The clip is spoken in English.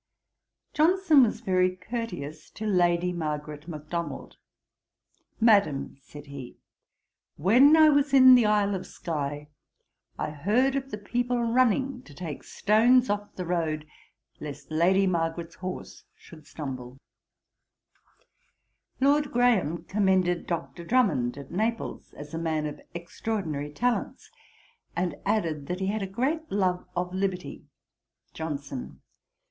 Johnson was very courteous to Lady Margaret Macdonald. 'Madam, (said he,) when I was in the Isle of Sky, I heard of the people running to take the stones off the road, lest Lady Margaret's horse should stumble.' Lord Graham commended Dr. Drummond at Naples, as a man of extraordinary talents; and added, that he had a great love of liberty. JOHNSON.